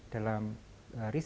dalam bidang pendidikan